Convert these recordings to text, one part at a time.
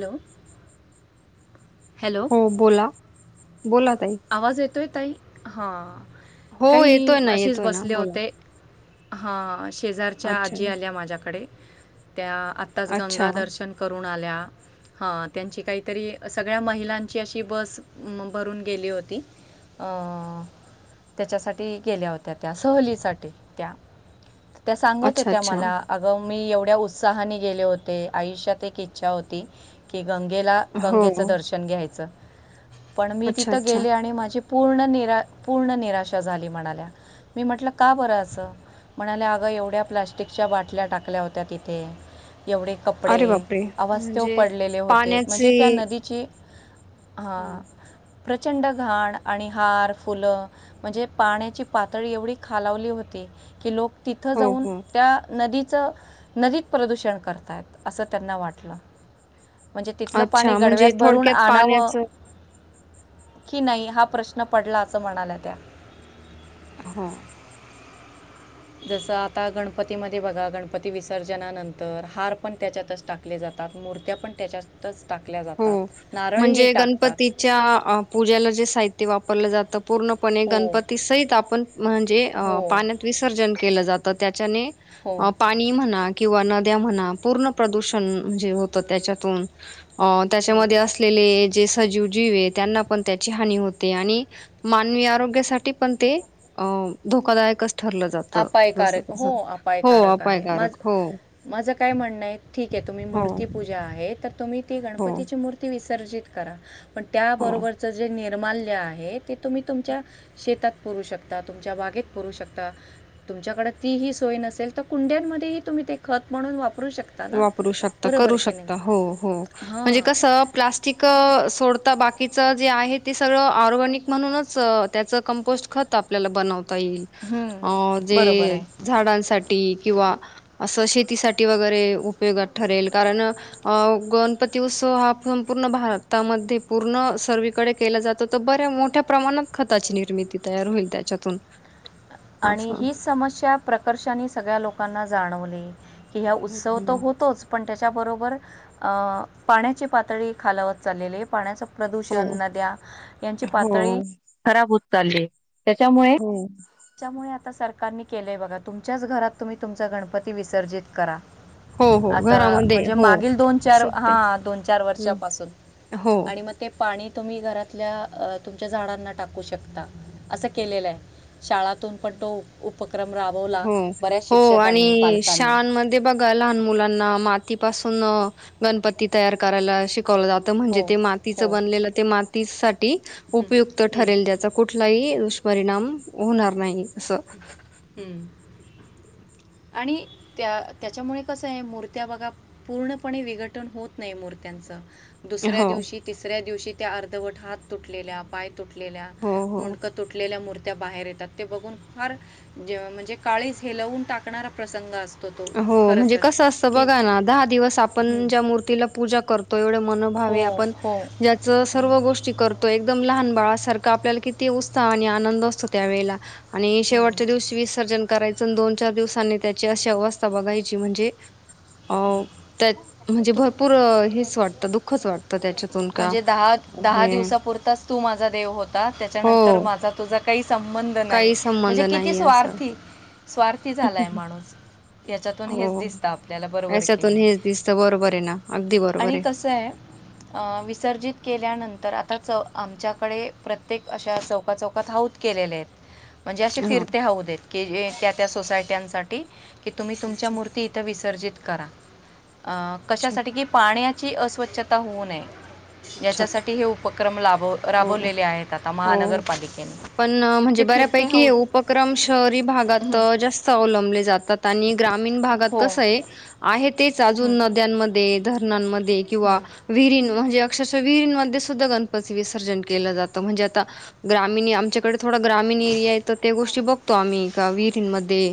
Hello hello. हो बोला बोला ताई. आवाज येतोय ताई हा हो येतोय ना येतोय ना बोला. हा अश शेजारच्या अच्छा, आजी आल्या माझ्याकडे त्या आत्ताच अच्छा, गंगा दर्शन करून आल्या. ह त्यांची काहीतरी सगळ्या महिलांची अशी बस म भरून गेली होती. अ अ त्याच्यासाठी गेल्या होत्या त्या, सहलीसाठी त्या त्या सांगत अच्छा, होत्या अच्छा. मला अगं मी एव त्या उत्साहाने गेले होते. आयुष्यात एक इच्छा होती की, गंगेला, हो, गंगेचं दर्शन घ्यायचं. पण मी ती अच्छा, त अच्छा. गेले आणि माझी पूर्ण निरा पूर्ण निराशा झाली. म्हणाल्या मी म्हटलं का बरं अस म्हणाल्या, अगं एवढ्या प्लॅस्टिकच्या बाटल्या टाकल्या होत्या तिथे. एवढे कपडे अरे बापरे! अवास्थ्यव म्हणजे पडलेले होते पाण्याची म्हणजे, त्या नदीची. हां हं, प्रचंड घाण आणि हार फुलं म्हणजे, पाण्याची पातळी एवढी खालावली होती की लोक तिथं हो, जाऊन हो. त्या नदीत. नदीत प्रदूषण करताय. असं त्यांना वाटलं म्हणजे तिथलं पाणी अच्छा गडव्यात म्हणजे भरून थोडक्यात आणावं. पाण्याचं की नाही हा प्रश्न पडला असं म्हणाल्या त्या. हो जसं आता गणपतीमध्ये बघा गणपती विसर्जनानंतर हार पण त्याच्यातच टाकले जातात मूर्त्या पण त्याच्यातच टाकल्या हो जातात नारळही म्हणजे टाकतात गणपतीच्या पूजेला जे साहित्य वापरलं जात पूर्णपणे हो गणपती सहित आपण म्हणजे हो पाण्यात विसर्जन केलं जातं त्या ने हो अ पाणी म्हणा किंवा नद्या म्हणा पूर्ण प्रदूषण म्हणजे होत त्याच्यातून अ हम्म. त्याच्यामध्ये असलेले ज सजीव जीवे त्यांना पण त्याची हानी होते आणि मानवी आरोग्यासाठी पण ते धोकादायक अस अपायकारक हो हो अपायकारक आहे माझ अपायकारक हो माझं काय म्हणणं आहे ठीक आहे तुम्ही हो मूर्तीपूजा आहे तर तुम्ही ती हो गणपतीची मूर्ती विसर्जित करा पण हो त्याबरोबरच जे निर्माल आहेत ते तुम्ही तुमच्या शेतात पुरू शकता तुमच्या बागेत पुरू शकता तुमच्याकडे ती ही सोय नसेल तर कुंड्यांमध्येही तुम्ही ते खत म्हणून वापर वापरू शकता करू शकता हो हो म्हणजे हां कसं प्लास्टिक सोड आता बाकीच जे आहे ते सगळं ऑर्गॅनिक म्हणूनच त्याचं कंपोस्ट खत आपल्याला बनवत येईल अ बरोबर जे आहे झाडांसाठी किंवा असं शेतीसाठी वगैरे उपयोगात ठरेल कारण अ गणपती उत्सव हा संपूर्ण भारतामध्ये पूर्ण सर्वीकडे केला जातो तर बऱ्या मोठ्या प्रमाणात खताची निर्मिती तयार होईल त्याच्यातून आणि असं ही समस्या प्रकर्षानी सगळ्या लोकां लोकांना जाणवले की ह्या हम्म, उत्सव तर हम्म. होतोच पण त्याच्याबरोबर पाण्याची पातळी खालावत चाललेली आहे पाण्या प्रदूषण हो नद्या यांची हो पातळी खराब हो चाले हो त्यामुळे आता सरकारने केलंय बघा तुमच्याच घरात तुम्ही तुमचा गणपती विसर्जित करा हो हो आता घरामध्ये म्हणजे हो मागील दोन चार सत्य हा दोन चार हम्म वर्षापासून हो आणि मग ते पाणी तुम्ही घरातल्या तुमच्या झाडांना टाकू शकता असं केलेलं आहे शाळातून पण तो उप राबवला हो बऱ्याच हो शिक्षकांनी आणि पालकांनी शाळांमध्ये बघि लहान मुलांना मातीपासून गणपती तयार करायला शि वलं जातं म्हणजे हो ते मातीं हो बनलेलं ते मात तीस हं, ऊपयुक्त हं, ठरेल त्याचा कुठलाही दुष्परिणाम होणार नाही अस हम् आणि त्या त्याच्यामुळे कसं आहे मूर्त्या बघा पूर्णपणे विघटन होत नाही मूर्त्यांचं दुसऱ्या हो दिवशी तिसऱ्या दिवशी त्या अर्धवट हात तुटलेल्या पाय तुटलेल्या हो हो मुंडक तुटलेल्या मूर्ती त्या बाहेर येतात ते बघून फार जेव म्हणजे काळीच हे लवून टाकणारा प्रसंग असतो तो हो खरं म्हणजे तर कस असतं की बघा ना दहा दिवस हं. आपण ज्या मूर्तीला पूजा करतो एवढ हो मनभावे आपण हो ज्याच सर्व हं, गोष्टी करतो एकदम लहान बाळासारखं आपल्याला किती उत्साह आणि आनंद असतो त्यावेेळेला आणि हं. शेवटच्या दिवशी विसर्जन करायच दोन चार दिवसांनी त्याची अश अवस्थ बघायची म्हणजे अ त्या म्हणजे तू भरपूर हेच वाटतं दु खसट म्हणजे दहा दहा दिवसापुरताच तू माझा देव होता हो त्याच्यानंतर माझा तुझा काही संबंध नाही काही संबंध म्हणजे किती नाही असं स्वार्थी स्वार्थी झालाय माणूस याच्यातून हो हेच दिसतं आपल्याला बरोबर की नाही याच्यातून हेच दिसत बरोबर आहे ना अगदी बरोबर आणि आहे कसं विसर्जित केल्यानंतर आता चौ आमच्याकडे प्रत्येक अशा चौका चौकात हाऊद केलेले आहेत म्हणजे असे हा फिरते हऊद हेत की त्या त्या सोसायट्यांसाठी की तुम्ही तुमच्या अच्छा मूर्ती इथं विर्जित करा अ अच्छा कशासाठी की पाण्या ची अस्वच्छता होऊ नये अच्छा अच्छा याच्यासाठी हे उपक्रम लाभ हो हो पण म्हणजे ते फिरते बऱ्यापैकी हे हौद उपक्रम शहरी भागात हं, जास्त अवलंबले जातात आणि ग्रामीण भागात हो कस आहे आहे तेच हं, अजून नद्यांमध्ये धरणमध्ये दे किंवा हं, विहिरीन अक्षरशा विहिरींमध्ये सुद्धा गणपती विसर्जन केलं जातं म्हणजे आता ग्रामीण आमच्याकडे थोडा ग्रामीण एरिया आहे तर ते गोष्टी बघ तॉम कावी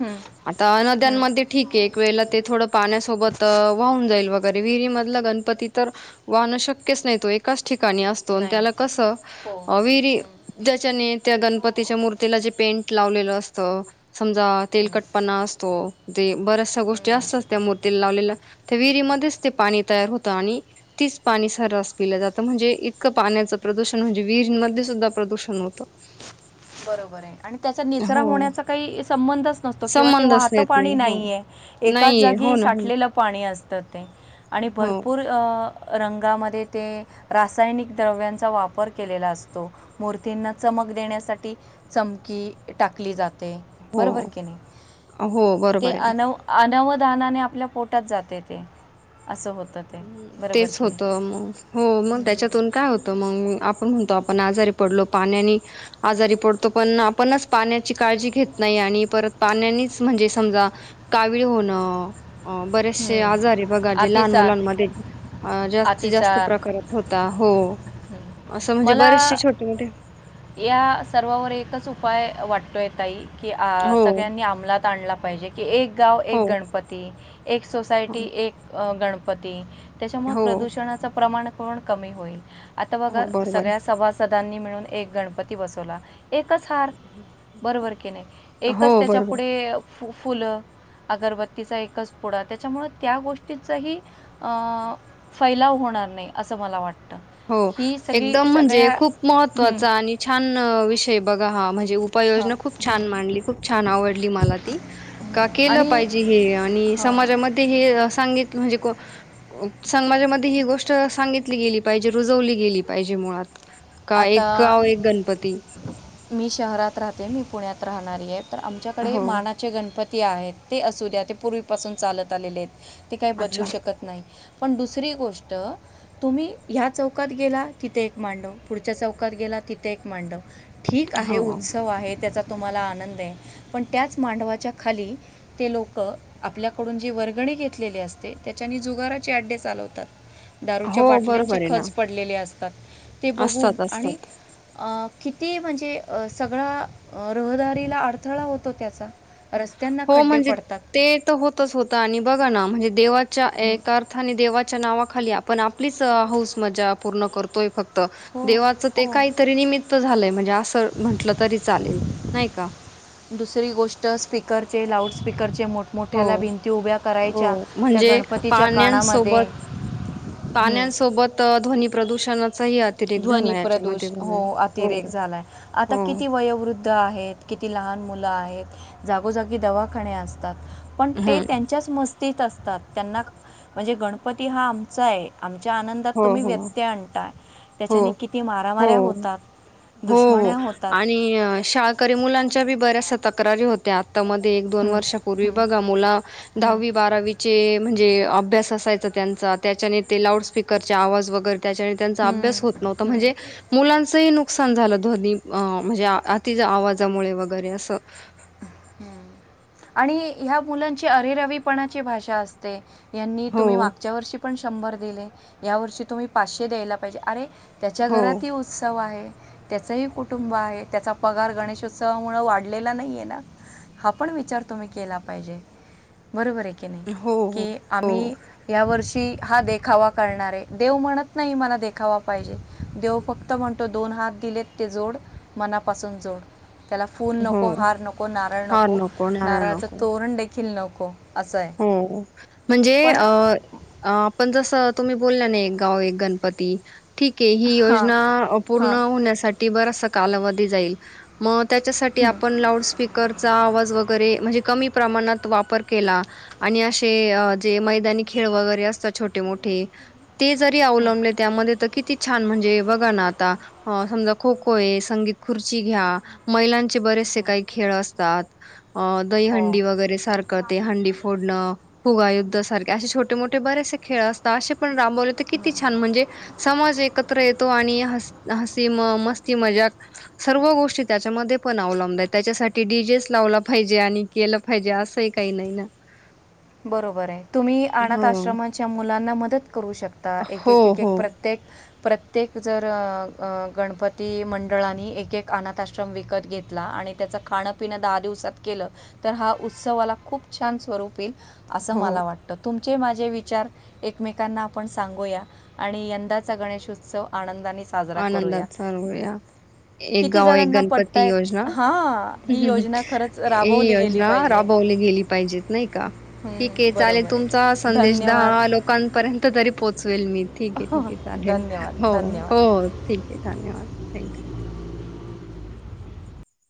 हं, आता हं, नद्यांमध्ये ठीक आहे एक वेला ते थोड पाण्यासोबत वाहून जाईल बघ गविरी मधला गणपती तर वाहणं शक्यच नाही तो एकाच ठिकाणी नाही त्या कस हो हं, त्या गणपतीच्या मूर्तीला जे पेंट लावलेलं असतं समजा हं, तेलकटपणा असतो द बऱ्याचश गोष्टी हं. असतात त्या मूर्तीला लावलेल्या त्या विहिरीमध्येच ते पाणी तयार होतं आणि तीच पाणी सर्रास पिलं जातं म्हणजे इतकं पाण्याचं प्रदूषण म्हणजे विरमध्येध्ये सुद्धा प्रदूषण होतं बरोबर आहे आणि त्याचा निचरा हो होण्याचा काही संबंधच नसतो किंवा ते संबंधच वाहत येत पाणी नाही हो नाहीये एकाच नाहीये हो जागी ना हो ना साठलेलं पाणी असतं ते आणि हो भरपूर अ रंगामध्ये ते रासायनिक द्रव्यांचा वापर केलेला असतो मूर्तींना चमक देण्यासाठी चमकी टाकली जाते हो बरोबर क नाही हो ते बरोबर आहे अ ना अ रानाने आपल्या पोटात जाते ते असं होत तेच होत मग हो मग हम्म. त्याच्यातून काय होतं मग आपण म्हणतो आपण आजारी पडलो पाण्या आजारी पडतो पण आपणच पाण्याची काळजी घेत नाही आणि परत पाण्यानीच म्हणजे समजा कावीळ होणं अ बरेचसे आजार आहे बघा हम्म. जे लहान अतिसार मुलां मध्ये जास्तीत जास्त अतिसार प्रकारात होता हो असं हम्म. म्हणजे मला बरेचसे छोटे मोठे या सर्वावर एकच उपाय वाटतोय ताई की हो सगळ्यांनी अमलात आणला पाहिजे की एक गाव हो एक गणपती एक हो सोसायटी एक गणप पती. त्याच्यामुळं हो प्रदूषणाचं प्रमाण. पण कमी होईल. आता बघा हो बरोबर आहे. सगळ्या सभासदांनी मिळून. एक गणपती बसवला. एकच हार बरोबर की नाही एकच हो त्याच्या बरोबर पुढे. फुलं अगरबत्तीचा एकच पुडा त्याच्यामुळं त्या गोष्टीचाही फैलाव होणार नाही असं मला वाटतं. हो ही सगळी एकदम म्हणजे सगळ्या खूप मह हं. -त्वाचा आणि छान विषय बघा हा म्हणजे हां उपाययोजना खूप छान मांडली खूप छान आवडली मला ती का केलं आणि पाहिजे हे आणि हां समाजामध्ये हे सांग म्हणजे को समाजामध्ये ही गोष्ट सांगितली गेली. पाहिजे रुजवली गेली पाहिजे मुळात. काय एक आता गाव एक गणपती. मी शहरात राहते, मी पुण्यात राहणारी आहे. तर आमच्याकडे हो मानाचे गणप ती आहेत. ते असूद्या ते पूर्वीपासून चालत आलेले आहेत. ते काही बदलू अच्छा शकत नाही. पण दुसरी गोष्ट तुम्ही ह्या चौकात गेला कि तिते एक मांडव पुढच्या चौकात गेला तिथे एक मांडव. ठीक हो आहे उत्सव आहे त्याचा तुम्हाला आनंद आहे, पण त्याच मांडवाच्या खाली ते लोकं आपल्याकडून जे वर्गणी घेतलेले असते त्याच्यानी जुगाराचे अड्डे चालवतात. दारूच्या हो बाटल्यांचे बरोबर आहे ना खच पडलेले असतात ते बघ असतात असतात आणि आ आ किती म्हणजे आ सगळा अ रहदारीला अडथळा होतो त्याचा. रस्त्यांना हो खड्डे म्हणजे पडतात. ते तर होतच होत आणि बगा ना म्हणजे देव च्या हं. एका अर्थाने देवाच्या च्या नावाखाली आपण आपलीच हौस, मजा पूर्ण करतोय फक्त हो, देवाच हो. ते काहीतरी निमित्त झालंय. म्हणजे अस म्हटलं तरी चालेल, नाही का? दुसरी गोष्ट स्पीकरचे, लाऊडस्पीकरचे हो मोठमोठ्याला भिंती उभ्या हो करायच्या त्या म्हणजे गणपतीच्या कानामध्ये. पाण्यांसोबत हं. पाण्यांसोबत ध्वनी प्रदूषणा ध्वनी प्रदूष हो हो अतिरेक झालाय आता हो किती वयोवृद्ध आहेत किती लहान मुलं आहेत जागोजागी दवाखाने असतात. पण ते हम्म त्यांच्याच मस् तीत असतात. त्यांना म्हणजे गणपती हा आमचा आहे आम च्या आनंदात हो तुम्ही हो व्यत्यय आणताय. हो त्याच्याने किती हो मारामाऱ्या होतात हो दुश्मन्या होतात आणि शाळकरी मुलांच्या बी बऱ्याचशा तक्रारी होत्या. मध्ये एक - दोन हं, वर्षापूर्वी हं, बघा मुलं हं, दहावी बारावीचे म्हणजे अभ्यास असायच त्यांचा त्याच्याने ते लाऊड स्पी करणे आवाज वगैर त्याच्यावेळी हं, अभ्यास होत नव्हता हं. म्हणजे मुलां चही नुकसान झालं. ध्वनी म्हणजे आति आवाजामुळे वगैरे अस आणि ह्या मुलांची अरेरावीपणाची भाषा असते यांनी हो तुम्ही मागच्या वर्षी पण शंभर दिले या वर्षी तुम्ही पाचशे द्यायला पाहिजे अरे त्याच्या हो घरातही उत्सव आहे. त्याचही कुटुंब आहे त्याचा पगार गणेशोत्सवामुळे वाढलेला नाहीये ना. हा पण विचार तुम्ही केला पाहिजे. बरोबर आहे की नाही हो हो की हो आम्ही या वर्षी. की हा देखावा करणार आहे देव म्हणत नाही मला देखावा पाहिजे देव फक्त म्हणतो दोन हात दिलेत ते जोड मनापासून जोड. त्याला फुल हो नको हार नको. नारळ हार नको नारळ नारळाचा नको तोरण देखील खिल् नको असं आहे. हो म्हणजे पण अ पण जसं तुम्ही बोलल्या ना एक गाव एक गणपती. ठीक हे ही हां, योजना आपूर्ण हां. होण्यासाठी बर कालावधी जाईल म त्याच्यासाठी हं, आपण लाऊड स्पीकरचा आवाज वगैरे म्हणजे कमी प्रमाणात वापर केला. आणि असे जे मैदानी खेळ वगैरे असतात छोटे मोठे ते जरी हं, हं. अवलंबले त्यामध्ये तर किती छान म्हणजे बघा ना आता समजा खो खो आहे संगीत खुर्ची घ्या महिलांचे बरेसे काही खेळ असतात. अ हो. दहीहंडी वगैरे सारखं ते हंडी फोडणं फुगायुद्ध सारखे असे छोटे मोठे बरेसे खेळ असतात असे पण राबवले. किती हं. छान म्हणजे समाज एकत्र येतो आणि हासी म मस्ती मजाक सर्व गोष्टी त्याच्यामध्ये पण अवलंब आहेत त्याच्यासाठी डीजे च लावला पाहिजे आणि केलं पाहिजे असंही काही नाही ना. बरोबर आहे तुम्ही अनाथ हो आश्रमाच्या मुलांना मदत करू शकता एक हो एक एक हो प्रत्येक प्रत्येक जर गणपती मंडळानी एक एक अनाथ आश्रम विकत घेतला आणि त्याचं खाणंपिन दहा दिवसात केलं तर हा उत्सवाला खूप छान स्वरूपी ईल असं हो मला वाटतं तुम चे माझे विचार एकमेकांना आपण सांगूया आणि यंदाचा गणेशोत्सव आनंदाने. साजरा आनंदात करूया. चालवूया एक किती गाव एक जणांना गणपती योजना पटतायत हां, ही योजना खरंच ही राबवली गेली योजना पाहिजे. राबवली गेली पाहिजेत नाही का. हं, ठीक आहे चालेल बरोबर तुमचा आहे. संदेश धन्यवाद. दहा लोकांपर्यंत तरी पोहोचवेल मी. ठीक आहे ठीक आहे चालेल धन्यवाद हो. धन्यवाद हो ठीक आहे धन्यवाद थँक्यू.